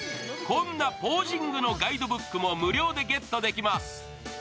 こんなポージングのガイドブックも無料でゲットできます。